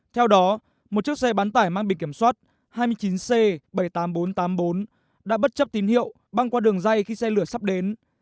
theo đó một chiếc xe bán tải mang bị kiểm soát hai mươi chín c bảy mươi tám nghìn bốn trăm tám mươi bốn đã bất chấp tín hiệu băng qua đường dây khi xe lửa sắp đến